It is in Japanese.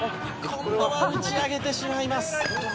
「今度は打ち上げてしまいます」